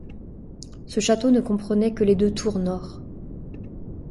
Ce château ne comprenait que les deux tours nord.